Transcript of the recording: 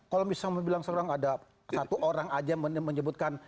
kalau misalnya bilang seorang ada satu orang aja menyebutkan